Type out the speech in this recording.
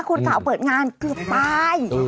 คนเก่าเปิดงานเกือบตาย